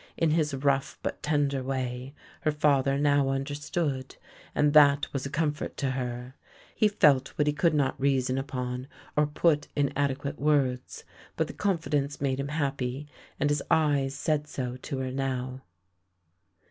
In his rough but tender way her father now understood, and that was a comfort to her. He felt what he could not reason upon or put in ade 22 THE LANE THAT HAD NO TURNING quate words. But the confidence made him happy and his eyes said so to her now.